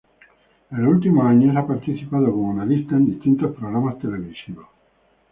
En los últimos años ha participado como analista en distintos programas televisivos.